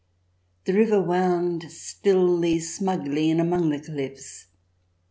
The river wound stilly, smugly, in among the cliffs.